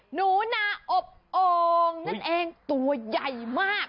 หนูหน่ออบองค์นั่นเองตัวยัยมาก